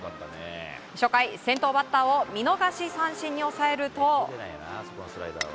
初回、先頭バッターを見逃し三振に抑えると。